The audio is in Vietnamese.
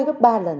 gấp ba lần